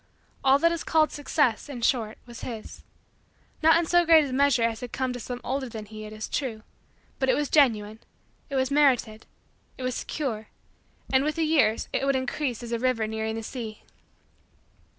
All that is called Success, in short, was his; not in so great a measure as had come to some older than he, it is true; but it was genuine; it was merited; it was secure; and, with the years, it would increase as a river nearing the sea.